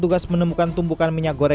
gak ada tambahan ya bu ya